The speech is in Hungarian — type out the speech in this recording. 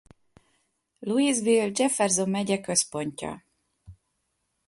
Louisville Jefferson megye központja.